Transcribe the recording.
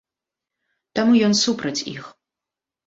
Таму ён супраць іх.